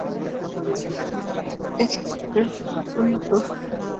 একে অপরের ভালো বন্ধু।